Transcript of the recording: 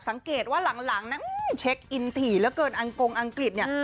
สังเกตว่าหลังนะเช็คอินถี่แล้วเกินอังกฤษเนี่ย